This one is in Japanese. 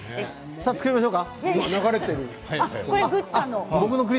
さあ作りましょうか。